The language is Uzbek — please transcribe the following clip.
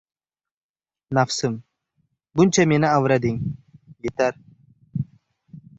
Nafsim, buncha meni avrading, yetar